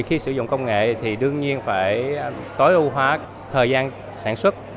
khi sử dụng công nghệ thì đương nhiên phải tối ưu hóa thời gian sản xuất